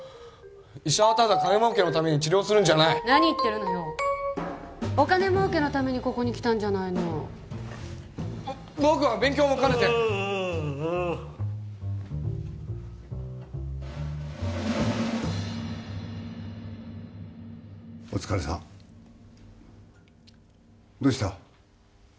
医者は金もうけに治療をするんじゃない何言ってるのお金もうけのためにここに来たんじゃないの僕は勉強も兼ねてはああお疲れさんどうした？